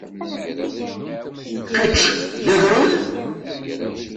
Kečč d agrud?